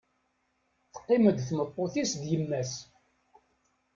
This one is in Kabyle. Teqqim-d tmeṭṭut-is d yemma-s.